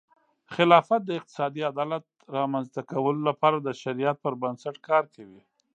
خلافت د اقتصادي عدالت رامنځته کولو لپاره د شریعت پر بنسټ کار کوي.